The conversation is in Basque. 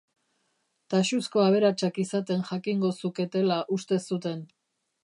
Taxuzko aberatsak izaten jakingo zuketela uste zuten.